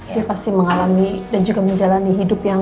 dia pasti mengalami dan juga menjalani hidup yang